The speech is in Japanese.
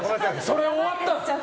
それ終わった！